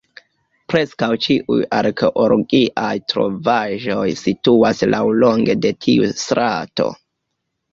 Preskaŭ ĉiuj arkeologiaj trovaĵoj situas laŭlonge de tiu strato.